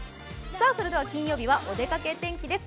それでは金曜日はおでかけ天気です。